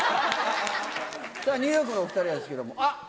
さぁニューヨークのお２人ですけどもあっ！